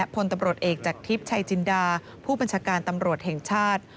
พลตำรวจเอกจากทิพย์ชัยจินดาผู้บัญชาการตำรวจแห่งชาติ